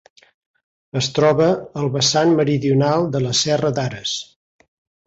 Es troba al vessant meridional de la serra d'Ares.